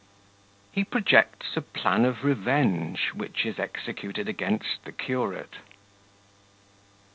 He projects a plan of Revenge, which is executed against the Curate.